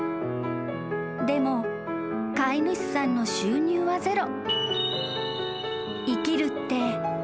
［でも飼い主さんの収入はゼロ］